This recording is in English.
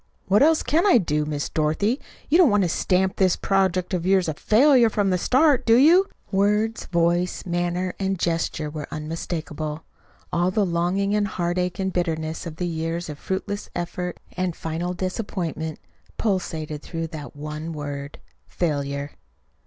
"What else can I do? Miss Dorothy, you don't want to stamp this project of yours a FAILURE from the start, do you?" Words, voice, manner, and gesture were unmistakable. All the longing and heartache and bitterness of years of fruitless effort and final disappointment pulsated through that one word FAILURE.